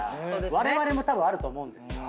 われわれもたぶんあると思う。